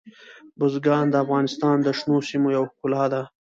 بزګان د افغانستان د شنو سیمو یوه ښکلا ده.